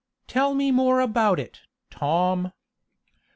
"Tell me more about it, Tom."